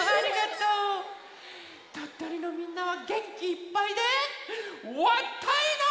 とっとりのみんなはげんきいっぱいでわったいな！